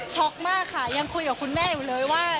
มากค่ะยังคุยกับคุณแม่อยู่เลยว่า